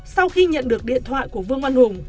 sau khi nhận được điện thoại của vương văn hùng